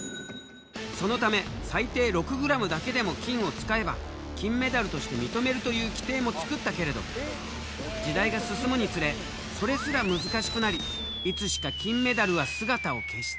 そのため最低６ｇだけでも金を使えば金メダルとして認めるという規定も作ったけれど時代が進むにつれそれすら難しくなりいつしか金メダルは姿を消した。